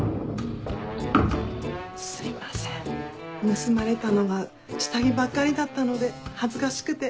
すいません盗まれたのが下着ばっかりだったので恥ずかしくて。